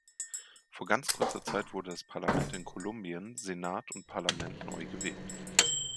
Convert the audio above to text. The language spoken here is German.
Vor ganz kurzer Zeit wurde das Parlament in Kolumbien Senat und Parlament neu gewählt.